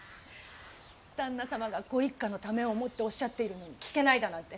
旦那様がご一家のためを思っておっしゃっているのに聞けないだなんて